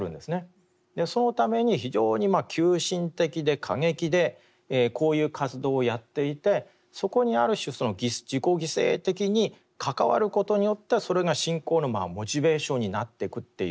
そのために非常に急進的で過激でこういう活動をやっていてそこにある種自己犠牲的に関わることによってそれが信仰のモチベーションになっていくっていう